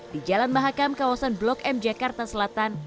di jalan mahakam kawasan blok m jakarta selatan